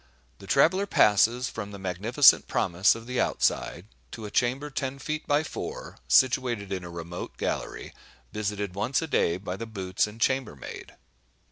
The traveller passes from the magnificent promise of the outside, to a chamber ten feet by four, situated in a remote gallery, visited once a day by the "boots" and chambermaid.